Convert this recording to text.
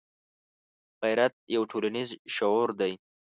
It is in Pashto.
غیرت یو ټولنیز شعور دی